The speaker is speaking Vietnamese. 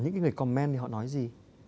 những người comment thì họ nói gì